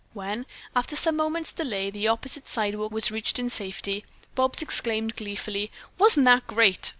When, after some moments' delay, the opposite sidewalk was reached in safety, Bobs exclaimed gleefully: "Wasn't that great?"